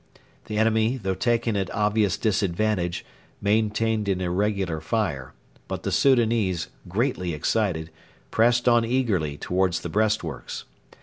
The enemy, though taken at obvious disadvantage, maintained an irregular fire; but the Soudanese, greatly excited, pressed on eagerly towards the breastworks.